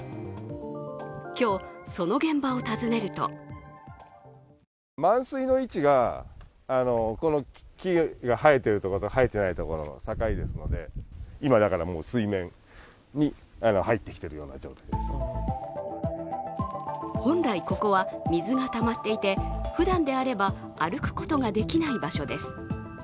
今日その現場を訪ねると本来、ここは水がたまっていて、ふだんであれば歩くことができない場所です。